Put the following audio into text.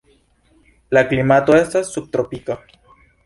La klimato estas subtropika.